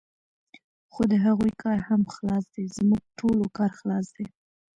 خو د هغوی کار هم خلاص دی، زموږ ټولو کار خلاص دی.